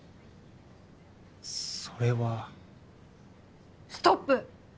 それはストップ！